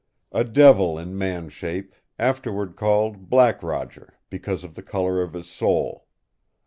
"A devil in man shape, afterward called 'Black Roger' because of the color of his soul."